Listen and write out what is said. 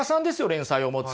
連載を持つ。